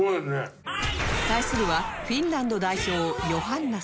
対するはフィンランド代表ヨハンナさん